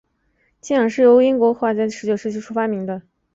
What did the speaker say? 氢氧是由英国矿物学家和美国化学家在十九世纪初期发明的。